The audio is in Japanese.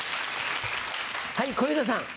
はい小遊三さん。